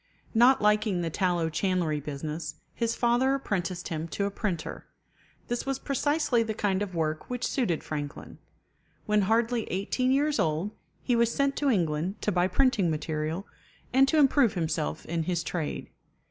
Not liking the tallow chandlery business, his father apprenticed him to a printer. This was precisely the kind of work which suited Franklin. When hardly eighteen years old, he was sent to England to buy printing material, and to improve himself in his trade.